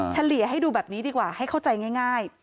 เฉลี่ยให้ดูแบบนี้ดีกว่าให้เข้าใจง่าย